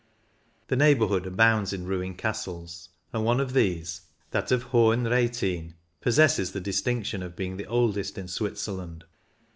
The neighbour hood abounds in ruined castles, and one of these, that of Hohen Rhaetien, possesses the distinction of being the oldest in Switzerland.